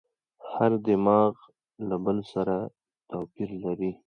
هر دماغ له بل سره توپیر لري.